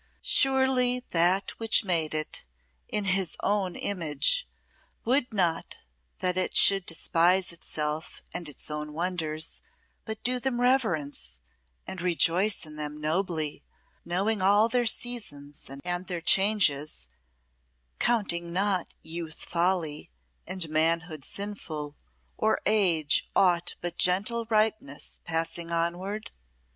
Surely That which made it in His own image would not that it should despise itself and its own wonders, but do them reverence, and rejoice in them nobly, knowing all their seasons and their changes, counting not youth folly, and manhood sinful, or age aught but gentle ripeness passing onward?